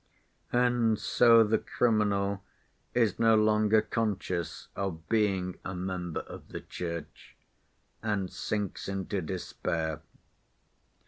And so the criminal is no longer conscious of being a member of the Church and sinks into despair.